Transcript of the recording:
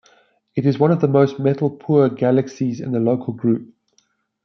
It is one of the most metal-poor galaxies in the Local group.